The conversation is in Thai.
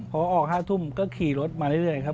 พอออก๕ทุ่มก็ขี่รถมาเรื่อยครับ